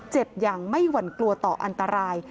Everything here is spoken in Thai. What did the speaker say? อย่างไม่หวั่นกลัวต่ออันตราย